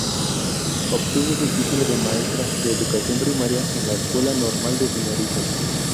Obtuvo su título de maestra de educación primaria en la Escuela Normal de Señoritas.